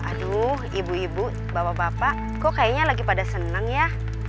aduh ibu ibu bapak bapak kok kayaknya lagi pada seneng ya